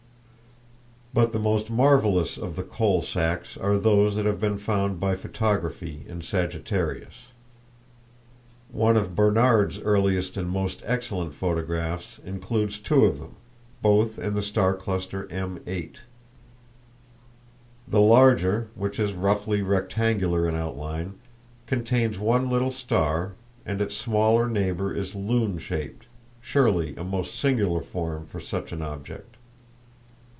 But the most marvelous of the "coal sacks" are those that have been found by photography in Sagittarius. One of Barnard's earliest and most excellent photographs includes two of them, both in the star cluster M8. The larger, which is roughly rectangular in outline, contains one little star, and its smaller neighbor is lune shaped—surely a most singular form for such an object.